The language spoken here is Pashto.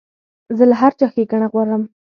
زه له هر چا ښېګڼه غواړم.